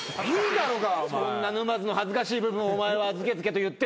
そんな沼津の恥ずかしい部分をお前はずけずけと言って。